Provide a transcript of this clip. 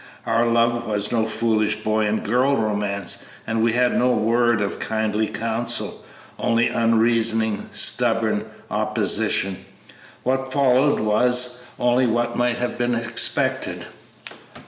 Our love was no foolish boy and girl romance, and we had no word of kindly counsel; only unreasoning, stubborn opposition. What followed was only what might have been expected.